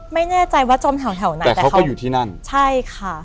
ไม่แน่ใจว่าจมแถวแถวไหนแต่เพราะเขาอยู่ที่นั่นใช่ค่ะ